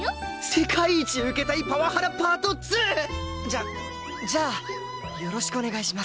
世界一受けたいパワハラパート ２！じゃじゃあよろしくお願いします。